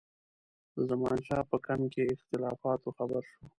د زمانشاه په کمپ کې اختلافاتو خبر شو.